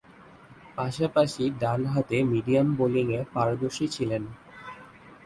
পাশাপাশি ডানহাতে মিডিয়াম বোলিংয়ে পারদর্শী ছিলেন।